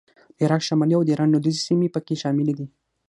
د عراق شمالي او د ایران لوېدیځې سیمې په کې شاملې دي